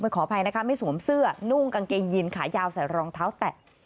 ขออภัยนะคะไม่สวมเสื้อนุ่งกางเกงยินขายาวใส่รองเท้าแตะ